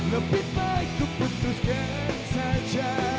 lebih baik ku putuskan saja